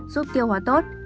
bốn giúp tiêu hóa tốt